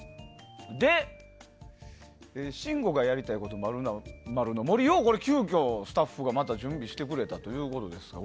で、信五がやりたいこと○○の森を急遽スタッフが準備してくれたということですが。